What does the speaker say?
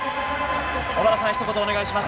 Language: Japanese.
小原さん、ひと言お願いします。